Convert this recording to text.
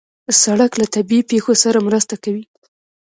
سړک له طبیعي پېښو سره مرسته کوي.